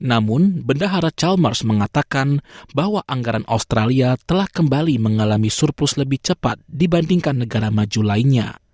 namun bendahara charles mengatakan bahwa anggaran australia telah kembali mengalami surplus lebih cepat dibandingkan negara maju lainnya